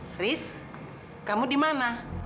haris kamu di mana